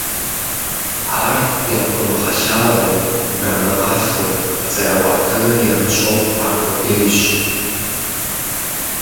Ар яхуэмыгъэлъагъуэу, жамыӀэфу, къызэраӀуэтэнур ямыщӀэу аркъудейщ.